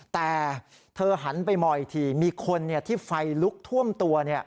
แต่เธอหันไปมองอีกทีมีคนที่ไฟลุกท่วมตัว